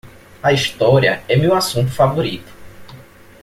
A história é meu assunto favorito.